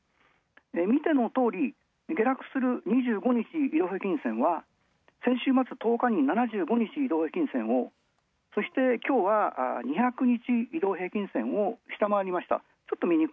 見てのとおり、下落する下落する２５日移動平均線は７５日移動平均線をそして今日は２００日移動平均線を下回りました。